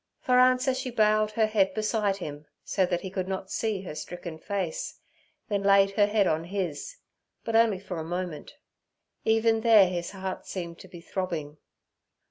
For answer she bowed her head beside him, so that he could not see her stricken face, then laid her head on his, but only for a moment; even there his heart seemed to be throbbing.